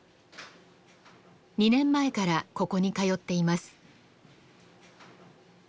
２年前からここに通っています。